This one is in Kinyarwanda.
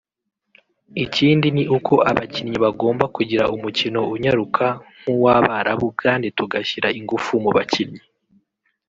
Ikindi ni uko abakinnyi bagomba kugira umukino unyaruka nk’uw’Abarabu kandi tugashyira ingufu mu bakinnyi